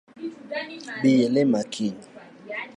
Bi ilima kiny